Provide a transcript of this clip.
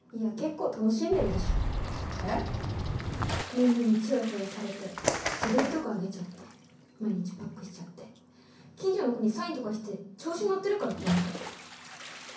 みんなにちやほやされて自撮りとかあげちゃって毎日パックしちゃって近所の子にサインとかして調子乗ってるからこんなことに。